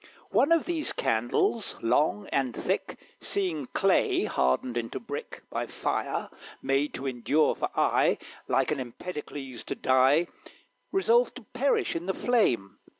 One of these Candles, long and thick, Seeing clay hardened into brick By fire, made to endure for aye, Like an Empedocles, to die, Resolved to perish in the flame.